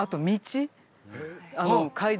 街道